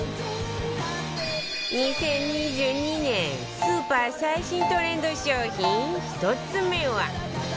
２０２２年スーパー最新トレンド商品１つ目は